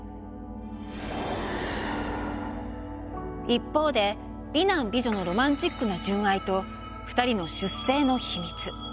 一方で美男美女のロマンチックな純愛と２人の出生の秘密。